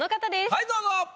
はいどうぞ。